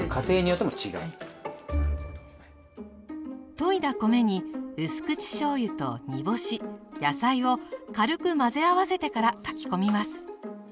といだ米にうす口しょうゆと煮干し野菜を軽く混ぜ合わせてから炊き込みます。